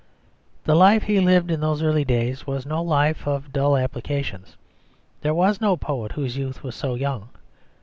The life he lived in those early days was no life of dull application; there was no poet whose youth was so young.